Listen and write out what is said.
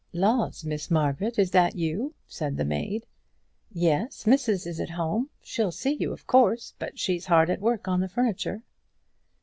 "Laws, Miss Margaret! is that you?" said the maid. "Yes, missus is at home. She'll see you, of course, but she's hard at work on the furniture."